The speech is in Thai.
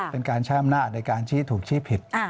เป็นการใช้อำนาจในการชี้ถูกชี้ผิด